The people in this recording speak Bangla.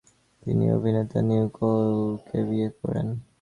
তিনি অভিনেতা লিউ কডিকে বিয়ে করেন।